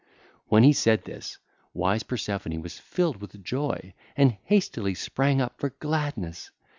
(ll. 370 383) When he said this, wise Persephone was filled with joy and hastily sprang up for gladness.